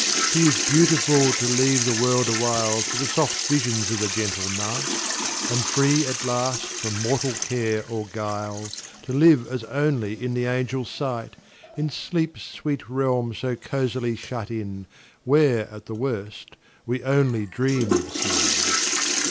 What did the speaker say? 'T is beautiful to leave the world awhileFor the soft visions of the gentle night; And free, at last, from mortal care or guile, To live as only in the angels' sight, In sleep's sweet realm so cosily shut in, Where, at the worst, we only dream of sin!